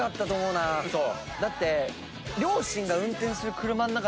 だって。